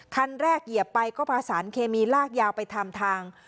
คันแรกเหยียบไปก็พาสารเคมีลากยาวไปทำทาง